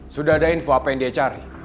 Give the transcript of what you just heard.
sudah ada info apa yang dia cari